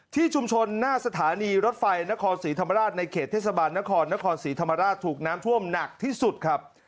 ที่ชุมชนหน้าสถานีรถไฟนครศรีธรรมราชในเขตเทศบาลนครนครศรีธรรมราชถูกน้ำท่วมหนักที่สุดครับ